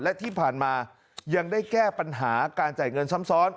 และที่ผ่านมายังได้แก้ปัญหาการจ่ายเงินซ้ำซ้อน